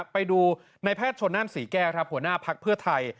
ไปดูในแพทย์ชนนาฬเหสีแก้หัวหน้าพรรคเพื่อไทย